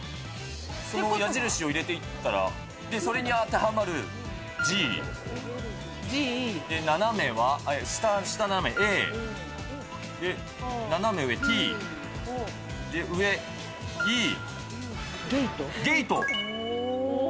その矢印を入れていったら、それに当てはまるＧ、斜めは、下斜め、Ａ、斜め上、Ｔ、で、上、Ｅ、ＧＡＴＥ！